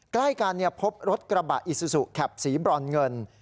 ใกล้กันพบรถกระบะอิซูซูแคปสีบรอนเงิน